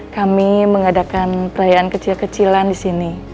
kami mengadakan perayaan kecil kecilan disini